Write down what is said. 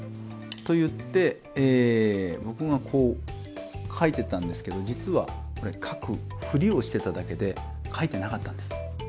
と言って僕がこうかいてたんですけど実はこれかくフリをしてただけでかいてなかったんです。